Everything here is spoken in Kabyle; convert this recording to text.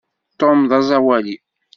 Tom d aẓawali.